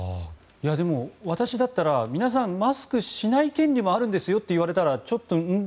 私だったら皆さんマスクしない権利はあるんですよと言われたらちょっと、ん？